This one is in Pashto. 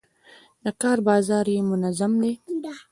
د کار بازار یې منظم دی.